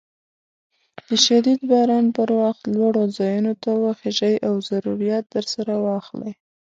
د شديد باران پر وخت لوړو ځايونو ته وخېژئ او ضروريات درسره واخلئ.